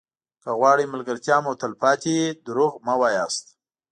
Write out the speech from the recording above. که غواړئ ملګرتیا مو تلپاتې وي دروغ مه وایاست.